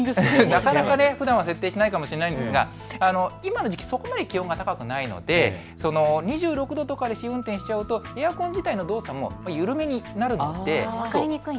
なかなかふだんは設定しないかと思いますが今の時期そこまで気温が高くないので２６度とかで試運転をしてしまうとエアコン自体の動作も分かりにくいんです。